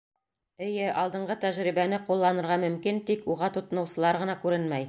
Эйе, алдынғы тәжрибәне ҡулланырға мөмкин, тик уға тотоноусылар ғына күренмәй.